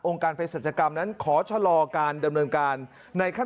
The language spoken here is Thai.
องค์การพลัดการทำงานศัตรูกรรมขอชะลอการดำเนินการในขั้นตอน